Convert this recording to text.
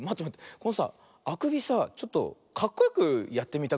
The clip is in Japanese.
このさあくびさちょっとかっこよくやってみたくなっちゃった。